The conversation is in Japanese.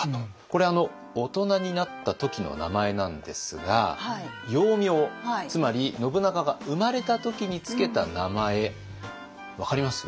これは大人になった時の名前なんですが幼名つまり信長が生まれた時に付けた名前分かります？